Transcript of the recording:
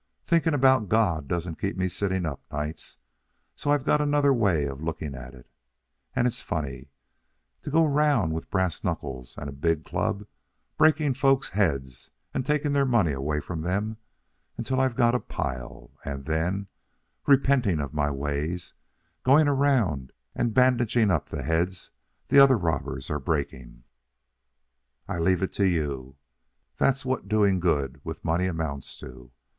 Thinking about God doesn't keep me sitting up nights, so I've got another way of looking at it. Ain't it funny, to go around with brass knuckles and a big club breaking folks' heads and taking their money away from them until I've got a pile, and then, repenting of my ways, going around and bandaging up the heads the other robbers are breaking? I leave it to you. That's what doing good with money amounts to.